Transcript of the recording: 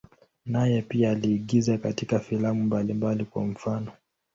Naye pia aliigiza katika filamu mbalimbali, kwa mfano.